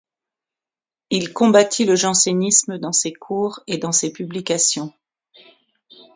Il combattit le jansénisme dans ses cours et dans ses publications.